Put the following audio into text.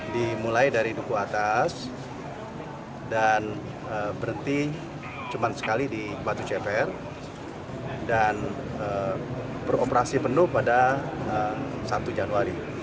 berarti cuma sekali di batu cepar dan beroperasi penuh pada satu januari